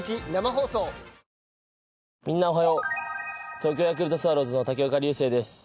東京ヤクルトスワローズの武岡龍世です。